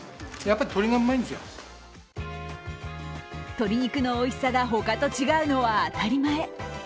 鶏肉のおいしさが他と違うのは当たり前。